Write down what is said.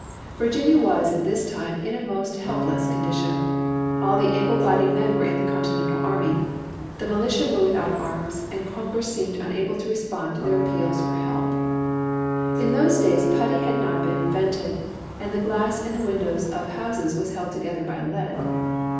Virginia was at this time in a most helpless condition. All the able bodied men were in the Continental Army. Tlie militia were without arms, and Congress seemed unable to respond to their a[)peals for help. In those days i)utty had not been in vented, and the glass in the windows of houses was held together by lead.